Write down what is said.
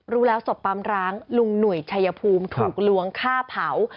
รู้แล้วศพปั๊มร้างลุงหนุ่ยชัยภูมิถูกลวงฆ่าเผา